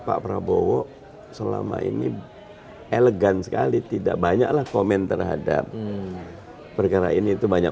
pak prabowo selama ini elegan sekali tidak banyaklah komen terhadap perkara ini itu banyak